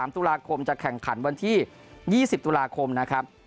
๓ตุลาคมจะแข่งขันวันที่๒๐ตุลาคมนะครับ